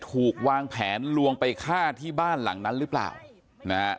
ถูกวางแผนลวงไปฆ่าที่บ้านหลังนั้นหรือเปล่านะฮะ